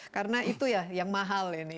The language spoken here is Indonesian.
karena itu ya yang mahal ini